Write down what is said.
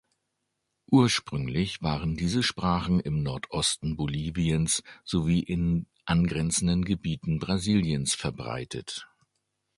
Ursprünglich waren diese Sprachen im Nordosten Boliviens sowie in angrenzenden Gebieten Brasiliens verbreitet.